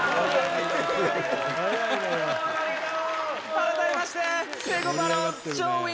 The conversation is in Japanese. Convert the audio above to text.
「改めまして」